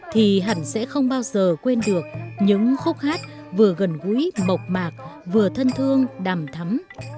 thì hẳn sẽ không bao giờ quên được những khúc hát vừa gần gũi mộc mạc vừa thân thương đàm thắm